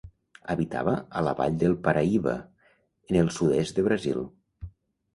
Habitava a la Vall del Paraíba, en el sud-est de Brasil.